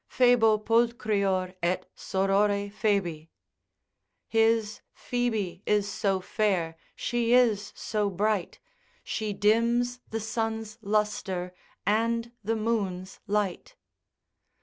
Phoebo pulchrior et sorore Phoebi. His Phoebe is so fair, she is so bright, She dims the sun's lustre, and the moon's light.